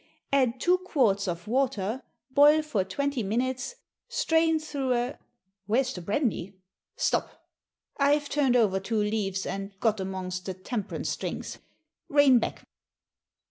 Add two quarts of water, boil for twenty minutes, strain through a where's the brandy? Stop! I've turned over two leaves, and got amongst the Temperance Drinks. Rein back!